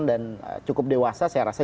dan cukup dewasa saya rasa